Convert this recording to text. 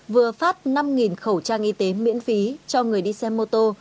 vừa phát năm khẩu trang y tế miễn phí cho người đi xe mô tô